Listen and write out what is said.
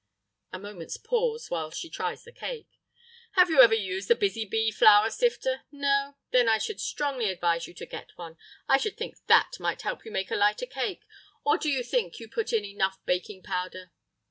(A moment's pause while she tries the cake.) "Have you ever used the Busy Bee Flour Sifter? No? Then I should strongly advise you to get one. I should think that might help you to make a lighter cake; or do you think you put in enough baking powder?